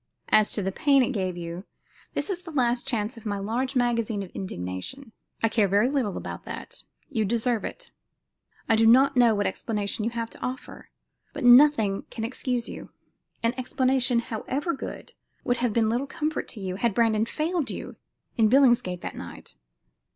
As to the pain it gave you" this was the last charge of my large magazine of indignation "I care very little about that. You deserve it. I do not know what explanation you have to offer, but nothing can excuse you. An explanation, however good, would have been little comfort to you had Brandon failed you in Billingsgate that night."